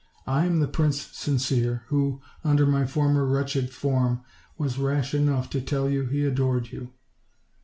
I am the Prince Sincere who, under my former wretched form, was rash enough to tell you he adored you."